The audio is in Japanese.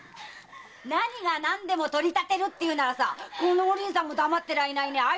何が何でも取り立てるっていうならこのお凛さんが黙ってられないね